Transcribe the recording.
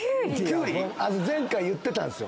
前回言ってたんですよ。